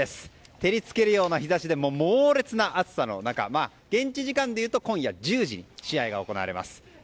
照り付けるような暑さで猛烈な暑さの中現地時間でいうと今夜１０時に試合が行われます。